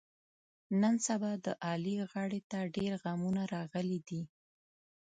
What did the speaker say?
نن سبا د علي غاړې ته ډېرغمونه راغلي دي.